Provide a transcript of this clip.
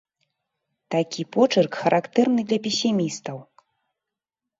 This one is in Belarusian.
Такі почырк характэрны для песімістаў.